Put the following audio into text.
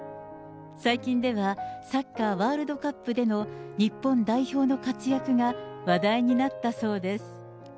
最近では、サッカーワールドカップでの日本代表の活躍が話題になったそうです。